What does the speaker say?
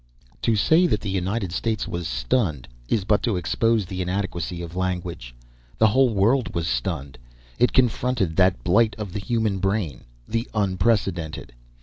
To say that the United States was stunned is but to expose the inadequacy of language. The whole world was stunned. It confronted that blight of the human brain, the unprecedented.